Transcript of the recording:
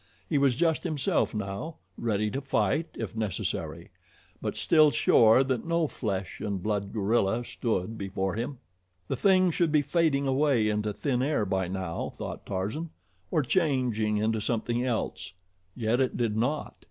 He was just himself now, ready to fight, if necessary; but still sure that no flesh and blood gorilla stood before him. The thing should be fading away into thin air by now, thought Tarzan, or changing into something else; yet it did not.